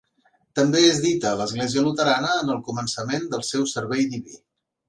També és dita a l'Església Luterana en el començament del seu servei diví.